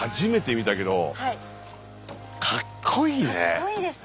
かっこいいですね。